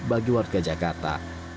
bagi warga jakarta